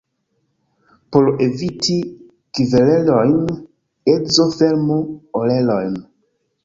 Por eviti kverelojn, edzo fermu orelojn.